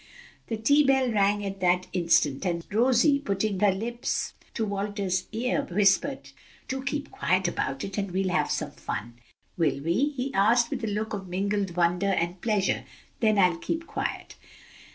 The tea bell rang at that instant, and Rosie, putting her lips to Walter's ear, whispered, "Do keep quiet about it, and we'll have some fun." "Will we?" he asked with a look of mingled wonder and pleasure; "then I'll keep quiet."